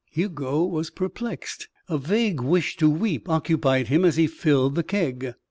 Hugo was perplexed. A vague wish to weep occupied him as he filled the keg.